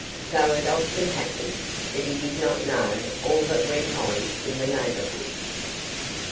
So it often happened that he did not know all that went on in the neighborhood.